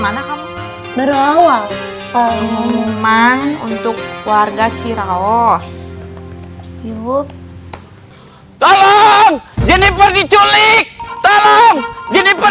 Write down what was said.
mana kamu baru awal pengumuman untuk warga ciraos yuk tolong jennifer diculik tolong jennifer